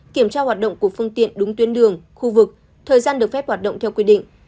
kiểm tra hoạt động của phương tiện đúng tuyến đường khu vực thời gian được phép hoạt động theo quy định